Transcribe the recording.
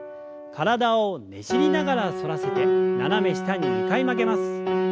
体をねじりながら反らせて斜め下に２回曲げます。